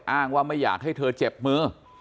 อ้างว่าไม่อยากให้เธอเจ็บมือ